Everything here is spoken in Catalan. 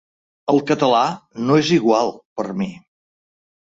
El català no és igual, per mi.